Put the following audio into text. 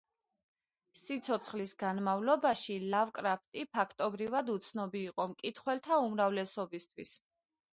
სიცოცხლის განმავლობაში ლავკრაფტი ფაქტობრივად უცნობი იყო მკითხველთა უმრავლესობისთვის.